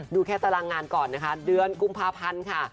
ดูแค่ตารางงานก่อนนะคะเดือนกุมภาพันธ์ค่ะ